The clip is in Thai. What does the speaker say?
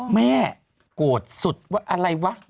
แม่โกรธสุดว่าอะไรวะ